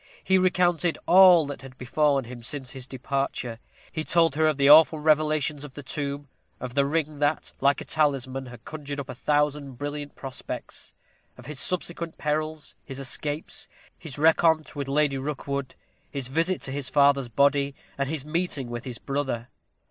He recounted all that had befallen him since his departure. He told her of the awful revelations of the tomb; of the ring that, like a talisman, had conjured up a thousand brilliant prospects; of his subsequent perils; his escapes; his rencontre with Lady Rookwood; his visit to his father's body; and his meeting with his brother.